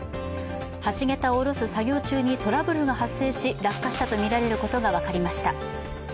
橋桁を降ろす作業中に、トラブルが発生し、落下したとみられることが分かりました。